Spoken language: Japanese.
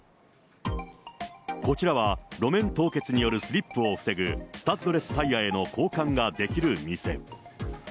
こちらは、路面凍結によるスリップを防ぐ、スタッドレスタイヤへの交換ができる店。